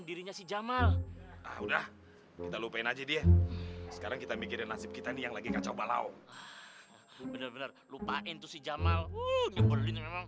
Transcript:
dirinya si jamal udah lupain aja dia sekarang kita mikirin nasib kita yang lagi kacau balau bener bener